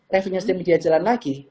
revenue step media jalan lagi